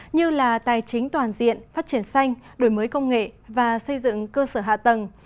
như là tài chính toàn diện phát triển xanh đổi mới công nghệ và xây dựng cơ sở hạ tầng